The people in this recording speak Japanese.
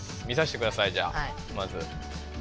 見さしてくださいじゃあまず。